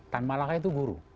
tan malaka itu guru